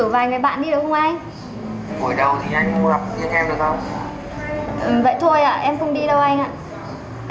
vậy thôi ạ em không đi đâu anh